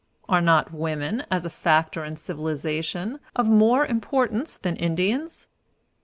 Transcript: Are not women, as a factor in civilization, of more importance than Indians?